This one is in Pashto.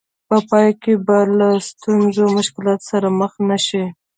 په پای کې به له ستونزو او مشکلاتو سره مخ نه شئ.